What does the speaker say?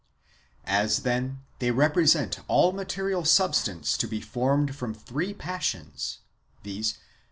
As, then, they represent all material substance to be formed from three passions, viz.